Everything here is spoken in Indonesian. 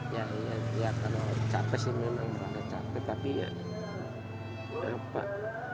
ya biar kalau capek sih memang agak capek tapi dapat